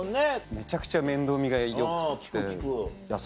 めちゃくちゃ面倒見がよくって優しい。